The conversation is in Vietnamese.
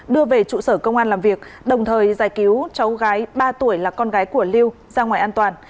đưa về trụ sở công an làm việc đồng thời giải cứu cháu gái ba tuổi là con gái của lưu ra ngoài an toàn